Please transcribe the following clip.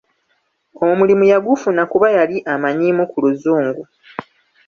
Omulimu yagufuna kuba yali amanyiimu ku Luzungu.